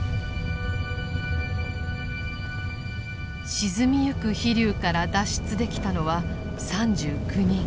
沈みゆく飛龍から脱出できたのは３９人。